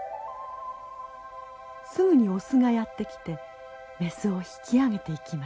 すぐにオスがやって来てメスを引き上げていきました。